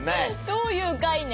どういう概念？